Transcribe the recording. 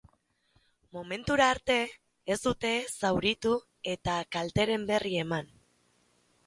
Momentura arte, ez dute zauritu eta kalteren berri eman.